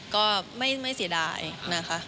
ก็ไม่เสียดายนะคะ